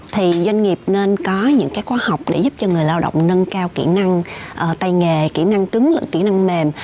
thì doanh nghiệp nên có những khóa học để giúp cho người lao động nâng cao kỹ năng tay nghề kỹ năng tức lẫn kỹ năng mềm